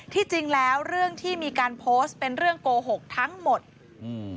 ที่จริงแล้วเรื่องที่มีการโพสต์เป็นเรื่องโกหกทั้งหมดอืม